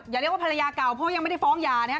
อย่าเรียกว่าภรรยาเก่าเพราะยังไม่ได้ฟ้องหย่านะครับ